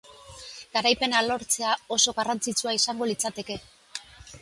Garaipena lortzea oso garrantzitsua izango litzateke.